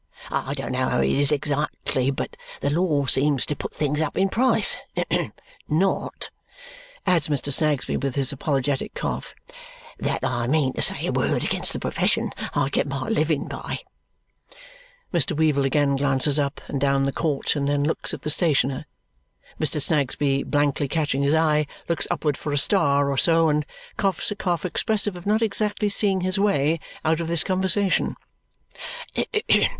I don't know how it is exactly, but the law seems to put things up in price. Not," adds Mr. Snagsby with his apologetic cough, "that I mean to say a word against the profession I get my living by." Mr. Weevle again glances up and down the court and then looks at the stationer. Mr. Snagsby, blankly catching his eye, looks upward for a star or so and coughs a cough expressive of not exactly seeing his way out of this conversation.